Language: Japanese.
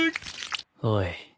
おい。